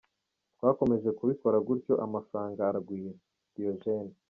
Twakomeje kubikora gutyo, amafranga aragwira - Diogene.